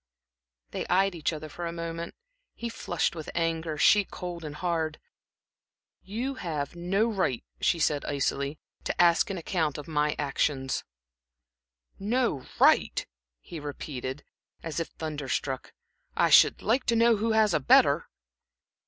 They eyed each other for a moment, he flushed with anger, she cold and hard. "You have no right," she said, icily, "to ask an account of my actions." "No right!" he repeated, as if thunder struck. "I should like to know who has a better."